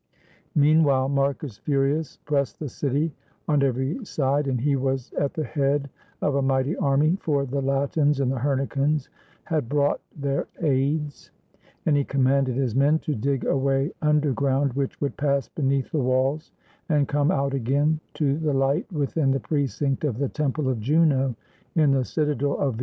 Meanwhile Marcus Furius pressed the city on every side, and he was at the head of a mighty army; for the Latins and the Hernicans had brought their aids; and he commanded his men to dig a way underground, which would pass beneath the walls, and come out again to the light within the precinct of the temple of Juno, in the citadel of Veii.